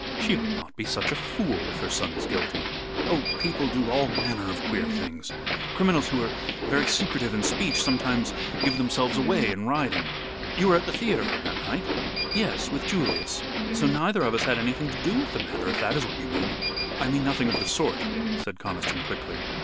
"She would not be such a fool, if her son is guilty." "Oh, people do all manner of queer things. Criminals who are very secretive in speech sometimes give themselves away in writing. You were at the theatre on that night?" "Yes, with Julius; so neither of us had anything to do with the matter, if that is what you mean." "I mean nothing of the sort," said Conniston, quickly.